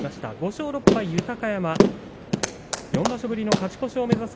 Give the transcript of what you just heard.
５勝６敗、豊山４場所ぶりの勝ち越しを目指す